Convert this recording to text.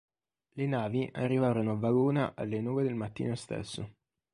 Le navi arrivarono a Valona alle nove del mattino stesso.